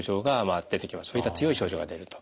そういった強い症状が出ると。